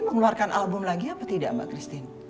mengeluarkan album lagi apa tidak mbak christine